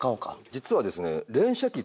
実はですね